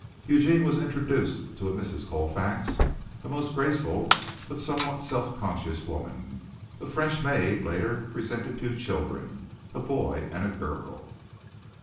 Eugene was introduced to Mrs. Colfax, a most graceful but somewhat self conscious woman. A French maid later presented two children, a boy and a girl.